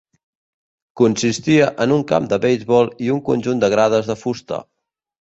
Consistia en un camp de beisbol i un conjunt de grades de fusta.